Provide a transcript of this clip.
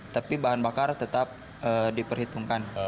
tapi bahan bakar tetap diperhitungkan